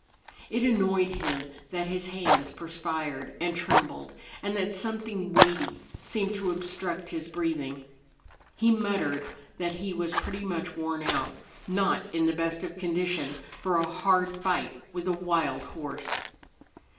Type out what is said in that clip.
It annoyed him that his hands perspired and trembled and that something weighty seemed to obstruct his breathing. He muttered that he was pretty much worn out, not in the best of condition for a hard fight with a wild horse.